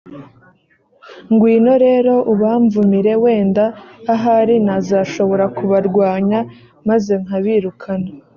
ngwino rero ubamvumire, wenda ahari nazashobora kubarwanya maze nkabirukana’.